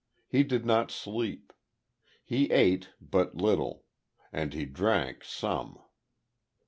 He did not sleep; he ate but little; and he drank, some.